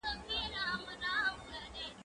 زه به سبا لوستل وکړم؟